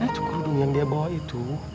ini tuh kerudung yang dia bawa itu